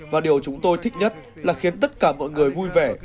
và điều chúng tôi thích nhất là khiến tất cả mọi người vui vẻ phấn khích